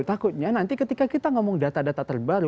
takutnya nanti ketika kita ngomong data data terbaru